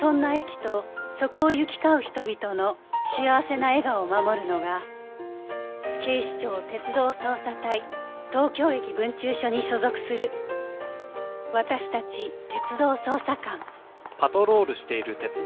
そんな駅とそこを行き交う人々の幸せな笑顔を守るのが警視庁鉄道捜査隊東京駅分駐所に所属する私たち鉄道捜査官